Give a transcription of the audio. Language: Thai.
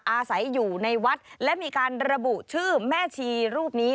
อาศัยอยู่ในวัดและมีการระบุชื่อแม่ชีรูปนี้